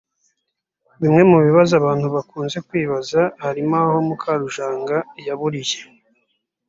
Bimwe mu bibazo abantu bakunze kwibaza harimo aho Mukarujanga yaburiye